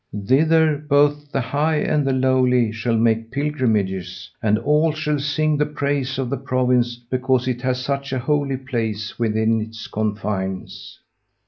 Thither both the high and the lowly shall make pilgrimages, and all shall sing the praises of the province because it has such a holy place within its confines.'